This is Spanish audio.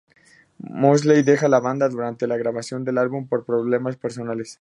Mosley deja la banda durante la grabación del álbum por problemas personales.